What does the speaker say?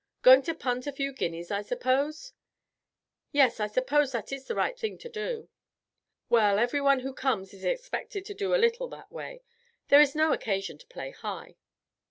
Going to punt a few guineas, I suppose?" "Yes, I suppose that is the right thing to do." "Well, everyone who comes is expected to do a little that way; there is no occasion to play high."